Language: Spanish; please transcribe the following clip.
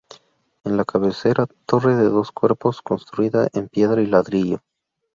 En la cabecera, torre de dos cuerpos, construida en piedra y ladrillo.